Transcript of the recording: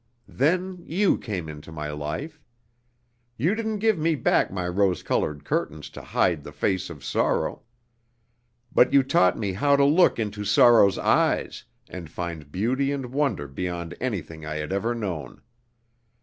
Then you came into my life. You didn't give me back my rose colored curtains to hide the face of sorrow, but you taught me how to look into sorrow's eyes, and find beauty and wonder beyond anything I had ever known.